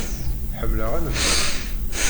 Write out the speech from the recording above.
Ḥemmleɣ anebdu.